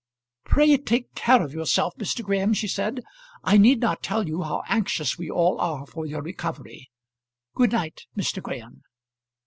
"Pray take care of yourself, Mr. Graham," she said; "I need not tell you how anxious we all are for your recovery. Good night, Mr. Graham."